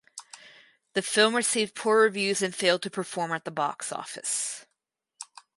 The film received poor reviews and failed to perform at the box office.